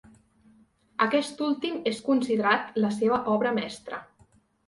Aquest últim és considerat la seva obra mestra.